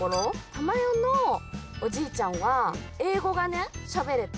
たまよのおじいちゃんはえいごがねしゃべれて。